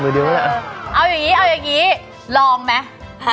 เอาอย่างนี้ลองไหม